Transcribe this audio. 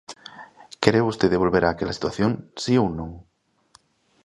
¿Quere vostede volver a aquela situación?, ¿si ou non?